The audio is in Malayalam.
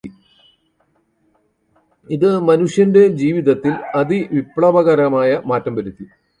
ഇതു് മനുഷ്യന്റെ ജീവിതത്തിൽ അതിവിപ്ലവകരമായ മാറ്റംവരുത്തി.